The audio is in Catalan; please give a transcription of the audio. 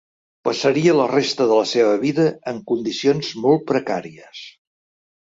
Passaria la resta de la seva vida en condicions molt precàries.